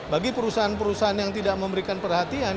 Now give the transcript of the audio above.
bagi perusahaan perusahaan yang tidak memberikan perhatian